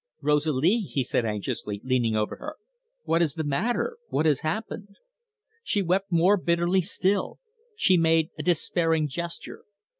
"Rosalie!" he said anxiously, leaning over her. "What is the matter? What has happened?" She wept more bitterly still; she made a despairing gesture.